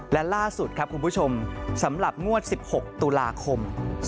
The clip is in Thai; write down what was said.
และล่าสุดครับคุณผู้ชมสำหรับงวด๑๖ตุลาคม